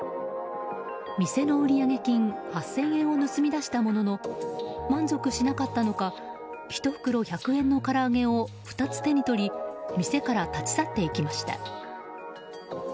店の売上金８０００円を盗み出したものの満足しなかったのか１袋１００円のから揚げを２つ、手に取り店から立ち去っていきました。